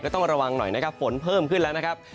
ต้องระวังหน่อยนะครับฝนเพิ่มขึ้นแล้วนะครับ